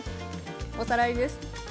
おさらいです。